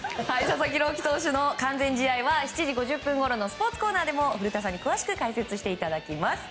佐々木朗希投手の完全試合は、７時５０分ごろのスポーツコーナーでも古田さんに詳しく解説していただきます。